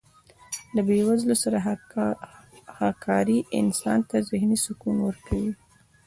د بې وزلو سره هکاري انسان ته ذهني سکون ورکوي.